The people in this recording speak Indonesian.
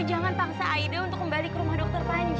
jangan paksa aida untuk kembali ke rumah dokter panji